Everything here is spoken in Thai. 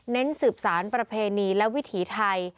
สืบสารประเพณีและวิถีไทย